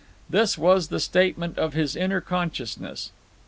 This was the statement of his inner consciousness.